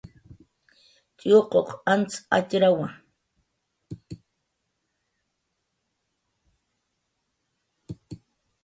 tx'iwquq antz atxrawa